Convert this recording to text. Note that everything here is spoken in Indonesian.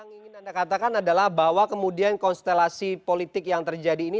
yang ingin anda katakan adalah bahwa kemudian konstelasi politik yang terjadi ini